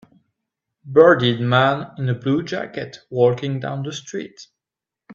Bearded man in a blue jacket walking down the street.